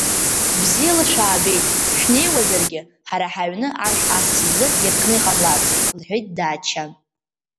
Бзиала шәаабеит шәнеиуазаргьы, ҳара ҳаҩны ашә асас изы иаркны иҟамлац, — лҳәеит дааччан.